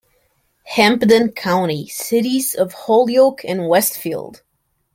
Hampden County: Cities of Holyoke and Westfield.